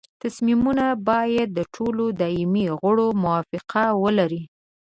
تصمیمونه باید د ټولو دایمي غړو موافقه ولري.